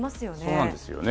そうなんですよね。